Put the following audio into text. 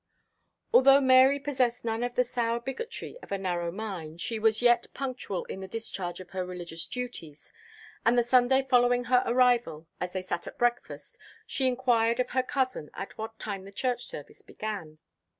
Although Mary possessed none of the sour bigotry of a narrow mind, she was yet punctual in the discharge of her religious duties; and the Sunday following her arrival, as they sat at breakfast, she inquired of her cousin at what time the church service began.